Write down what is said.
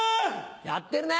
やってるね！